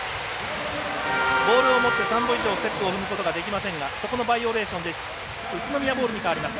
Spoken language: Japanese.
ボールをもって３歩以上ステップを踏むことができませんがそこのバイオレーションで宇都宮ボールに変わります。